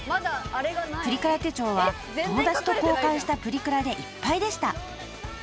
［プリクラ手帳は友達と交換したプリクラでいっぱいでした］